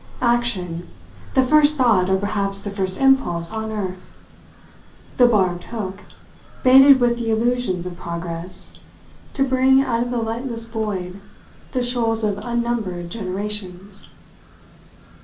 Action the first thought, or perhaps the first impulse, on earth! The barbed hook, baited with the illusions of progress, to bring out of the lightless void the shoals of unnumbered generations!